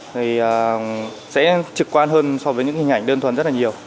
thì sẽ trực quan hơn so với những hình ảnh đơn thuần rất là nhiều